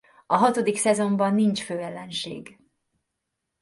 A hatodik szezonban nincs főellenség.